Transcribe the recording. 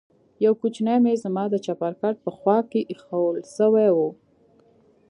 يو کوچنى ميز زما د چپرکټ په خوا کښې ايښوول سوى و.